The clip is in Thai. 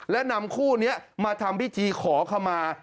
และนำคู่นี้มาทำพิธีขอขมา